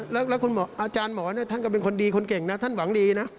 แล้วคุณหมออาจารย์หมอท่านก็เป็นคนดีคนเก่งนะท่านหวังดีนะ